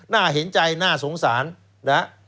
น่าเห็นใจน่าสงสารนะฮะ